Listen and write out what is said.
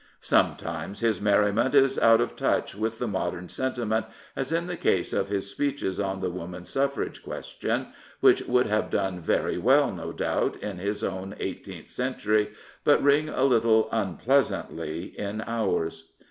Sometimes his merriment is out of touch with the modern sentiment, as in the case of his speeches on the woman suffrage question which would have done very well, no doubt, in his own Eighteenth Century, but ring a little unpleasantly in ours.